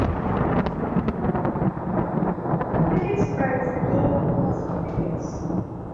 Critics praised the game with positive reviews.